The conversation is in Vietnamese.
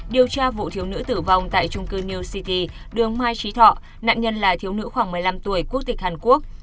điều tra vụ thiếu nữ tử vong tại trung cư new city đường mai trí thọ nạn nhân là thiếu nữ khoảng một mươi năm tuổi quốc tịch hàn quốc